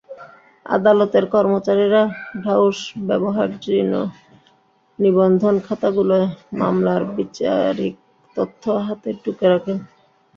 আদালতের কর্মচারীরা ঢাউস ব্যবহারজীর্ণ নিবন্ধন খাতাগুলোয় মামলার বিচারিক তথ্য হাতে টুকে রাখেন।